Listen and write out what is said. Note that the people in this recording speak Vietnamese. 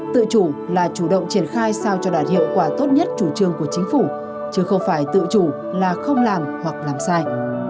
tự chủ là chủ động triển khai sao cho đạt hiệu quả tốt nhất chủ trương của chính phủ chứ không phải tự chủ là không làm hoặc làm sai